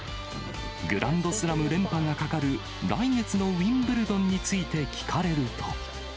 グランドスラム連覇がかかる来月のウィンブルドンについて聞かれると。